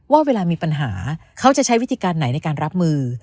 ว่าเวลามีปัญหาเขาจะใช้วิธีการไหนในการรับมือ